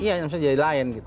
iya jadi lain gitu